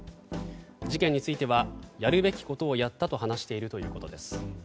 事件についてはやるべきことをやったと話しているということです。